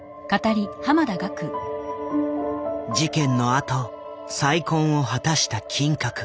事件のあと再建を果たした金閣。